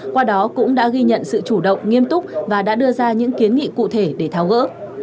qua đó cũng đã ghi nhận sự chủ động nghiêm túc và đã đưa ra những kiến nghị cụ thể để tháo gỡ